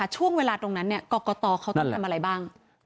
ช่วงเวลาตรงนั้นกรกตเขาต้องทำอะไรบ้าง